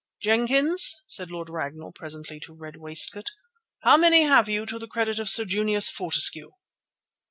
"Jenkins," said Lord Ragnall presently to Red Waistcoat, "how many have you to the credit of Sir Junius Fortescue?"